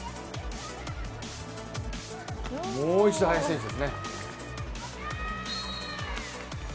もう一度、林選手ですね。